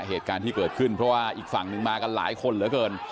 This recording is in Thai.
เหตุการณ์ที่เกิดขึ้นเพราะว่าอีกฝั่งนึงมากันหลายคนเหลือเกิน